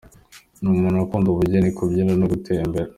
Ni umuntu ukunda ubugeni, kubyina no gutembera.